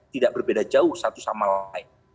tidak berbeda jauh satu sama lain